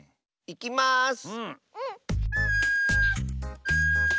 いきます。